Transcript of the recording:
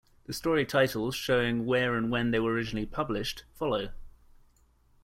The story titles, showing where and when they were originally published, follow.